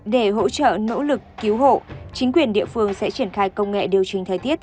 để hỗ trợ nỗ lực cứu hộ chính quyền địa phương sẽ triển khai công nghệ điều trình thời tiết